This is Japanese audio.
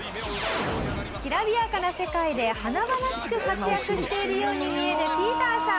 きらびやかな世界で華々しく活躍しているように見えるＰＩＥＴＥＲさん。